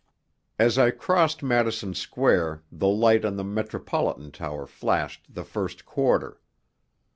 As I crossed Madison Square the light on the Metropolitan Tower flashed the first quarter.